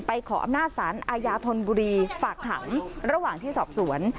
ขออำนาจสารอาญาธนบุรีฝากขังระหว่างที่สอบสวน